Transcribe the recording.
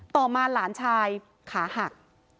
ต่อมาหลานชายขาหัก